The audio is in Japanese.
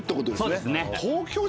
そうですね。